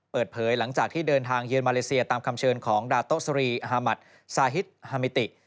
เปิดเผยหลังจากที่เดินทางเยือนมาเลเซียตามคำเชิญของดาโตสรีฮามัติซาฮิตฮามิติ